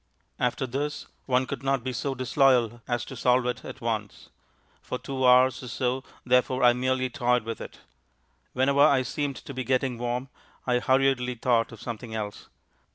After this, one could not be so disloyal as to solve it at once. For two hours or so, therefore, I merely toyed with it. Whenever I seemed to be getting warm I hurriedly thought of something else.